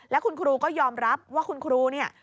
แล้วคุณครูก็ยอมรับว่าคุณครูเนี่ย